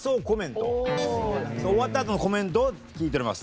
終わったあとのコメントを聞いております。